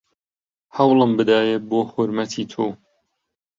هەوڵم بدایێ بۆ حورمەتی تۆ